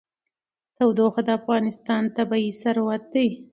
تودوخه د افغانستان طبعي ثروت دی.